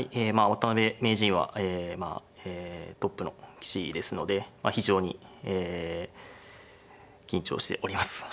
渡辺名人はトップの棋士ですので非常に緊張しております。